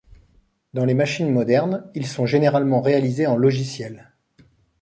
Dans les machines modernes, ils sont généralement réalisés en logiciel.